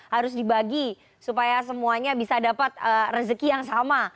harus dibagi supaya semuanya bisa dapat rezeki yang sama